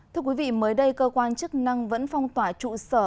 thưa quý vị mới đây cơ quan chức năng vẫn phong tỏa trụ sở